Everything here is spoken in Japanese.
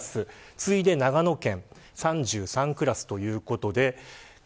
次いで長野県３３クラスということで。